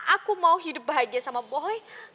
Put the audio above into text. aku mau hidup bahagia sama boy